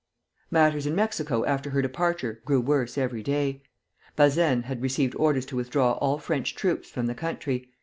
Matters in Mexico after her departure grew worse every day. Bazaine had received orders to withdraw all French troops from the country.